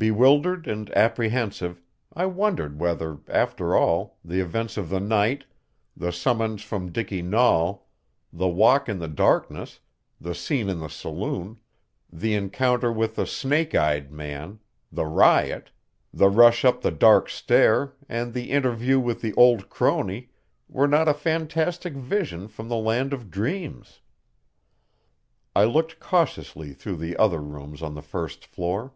Bewildered and apprehensive, I wondered whether, after all, the events of the night, the summons from Dicky Nahl, the walk in the darkness, the scene in the saloon, the encounter with the snake eyed man, the riot, the rush up the dark stair, and the interview with the old crone, were not a fantastic vision from the land of dreams. I looked cautiously through the other rooms on the first floor.